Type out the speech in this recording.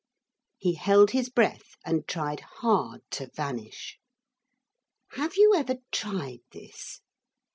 He held his breath and tried hard to vanish. Have you ever tried this?